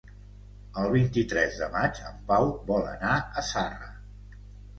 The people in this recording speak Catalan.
El vint-i-tres de maig en Pau vol anar a Zarra.